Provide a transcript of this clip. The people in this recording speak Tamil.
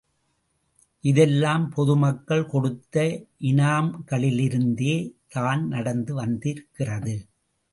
இதெல்லாம் பொது மக்கள் கொடுத்த இனாம்களிலிருந்தே தான் நடந்து வந்திருக்கிறது.